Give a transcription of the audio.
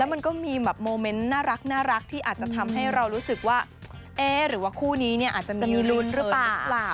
มันก็มีแบบโมเมนต์น่ารักที่อาจจะทำให้เรารู้สึกว่าเอ๊ะหรือว่าคู่นี้เนี่ยอาจจะมีลุ้นหรือเปล่า